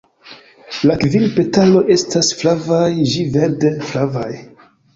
La kvin petaloj estas flavaj ĝi verde-flavaj.